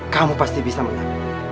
kamu pasti bisa menang